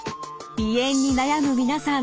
鼻炎に悩む皆さん